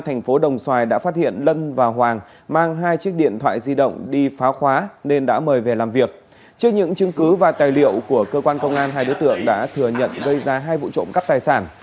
hai đối tượng đã thừa nhận gây ra hai vụ trộm cắp tài sản